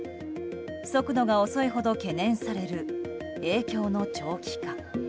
速度が遅いほど懸念される影響の長期化。